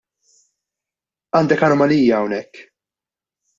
Għandek anomalija hawnhekk.